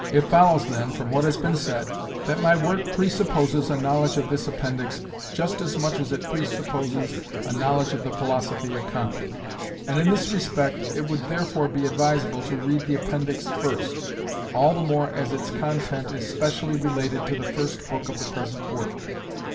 It follows then, from what has been said, that my work presupposes a knowledge of this appendix just as much as it presupposes a knowledge of the philosophy of Kant; and in this respect it would therefore be advisable to read the appendix first, all the more as its content is specially related to the first book of the present work.